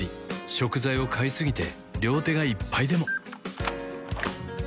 食材を買いすぎて両手がいっぱいでも